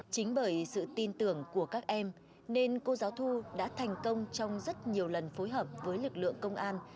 chính bởi sự tin tưởng của các em nên cô giáo thu đã thành công trong rất nhiều lần phối hợp với lực lượng công an